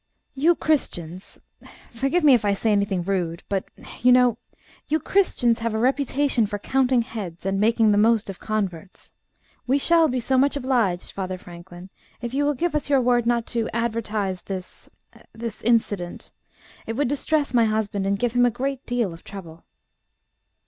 "You Christians forgive me if I say anything rude but, you know, you Christians have a reputation for counting heads, and making the most of converts. We shall be so much obliged, Father Franklin, if you will give us your word not to advertise this this incident. It would distress my husband, and give him a great deal of trouble."